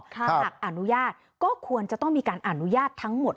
หากอนุญาตก็ควรจะต้องมีการอนุญาตทั้งหมด